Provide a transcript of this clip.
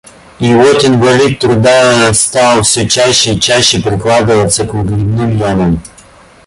И вот инвалид труда стал всё чаще и чаще прикладываться к выгребным ямам.